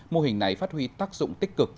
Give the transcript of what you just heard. mô hình này phát huy tác dụng tích cực